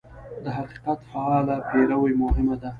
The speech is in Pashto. د حقیقت فعاله پیروي مهمه ده.